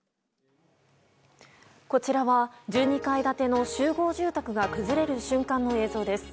こちらは１２階建ての集合住宅が崩れる瞬間の映像です。